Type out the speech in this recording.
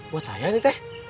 buat saya nih teh